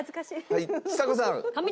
はいちさ子さん。